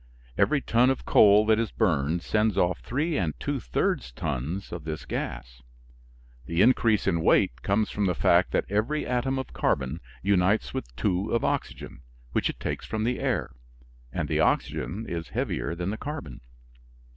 Every ton of coal that is burned sends off three and two thirds tons of this gas. The increase in weight comes from the fact that every atom of carbon unites with two of oxygen, which it takes from the air, and the oxygen is heavier than the carbon.